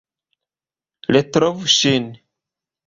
Retrovu ŝin!